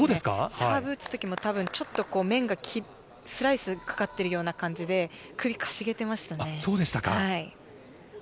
サーブを打つときもちょっと面がスライスかかっているような感じで首をかしげていましたね。